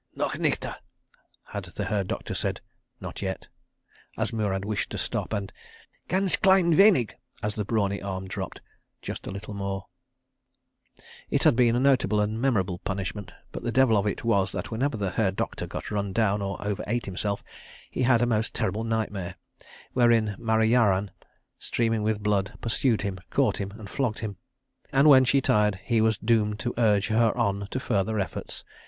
... "Noch nichte!" had the Herr Doktor said, "Not yet!" as Murad wished to stop, and "Ganz klein wenig!" as the brawny arm dropped. "Just a little more." ... It had been a notable and memorable punishment—but the devil of it was that whenever the Herr Doktor got run down or over ate himself, he had a most terrible nightmare, wherein Marayam, streaming with blood, pursued him, caught him, and flogged him. And when she tired, he was doomed to urge her on to further efforts.